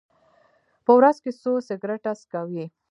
په ورځ کې څو سګرټه څکوئ؟